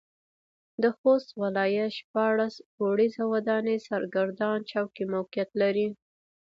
د خوست ولايت شپاړس پوړيزه وداني سرګردان چوک کې موقعيت لري.